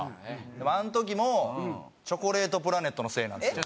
でもあの時もチョコレートプラネットのせいなんですよ。